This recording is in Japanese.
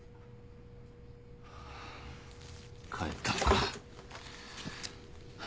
帰ったのか。